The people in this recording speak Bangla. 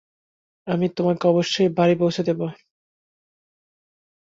আমি তোমাকে অবশ্যই বাড়ি পৌঁছে দিব।